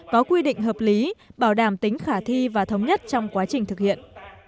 có quy định hợp lý bảo đảm tính khả thi và thống nhất trong quá trình thực hiện